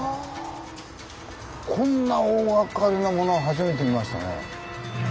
こんな大がかりなものは初めて見ましたね。